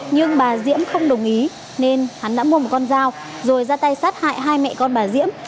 nhưng bà diễm không đồng ý nên hắn đã mua một con dao rồi ra tay sát hại hai mẹ con bà diễm